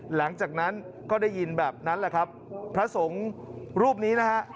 หลังจากนั้นก็ได้ยินแบบนั้นแหละครับพระสงฆ์รูปนี้นะฮะ